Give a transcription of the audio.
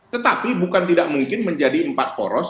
tetapi bukan tidak mungkin menjadi empat poros